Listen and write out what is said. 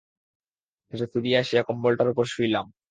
শেষে ফিরিয়া আসিয়া কম্বলটার উপর শুইলাম।